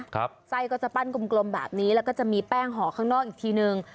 ไส้ก็จะปั้นกลมกลมแบบนี้แล้วก็จะมีแป้งห่อข้างนอกอีกทีนึง